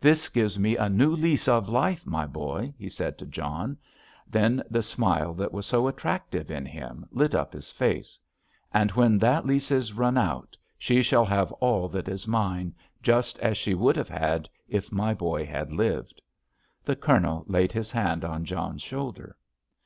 "This gives me a new lease of life, my boy," he said to John. Then the smile that was so attractive in him lit up his face. "And when that lease is run out she shall have all that is mine just as she would have had if my boy had lived." The Colonel laid his hand on John's shoulder.